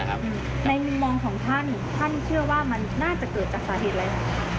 ในมุมมองของท่านท่านเชื่อว่ามันน่าจะเกิดจากสาเหตุอะไร